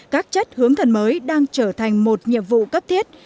các chất hướng thần mới đang trở thành một nhiệm vụ cấp thiết